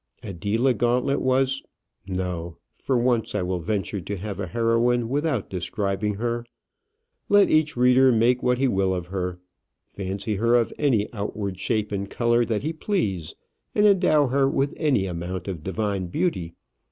Adela Gauntlet was No; for once I will venture to have a heroine without describing her. Let each reader make what he will of her; fancy her of any outward shape and colour that he please, and endow her with any amount of divine beauty.